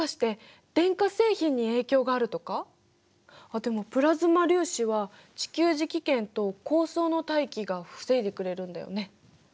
あっでもプラズマ粒子は地球磁気圏と高層の大気が防いでくれるんだよね。